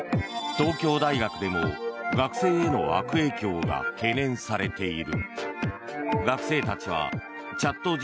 東京大学でも学生への悪影響が懸念されている。